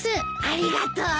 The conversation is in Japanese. ありがとう。